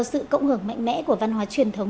sự cộng hưởng mạnh mẽ của văn hóa truyền thống